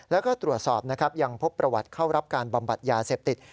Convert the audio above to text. แล้วก็ตรวจสอบนะครับยังพบประวัติเข้ารับการบำบัดยาเสพติด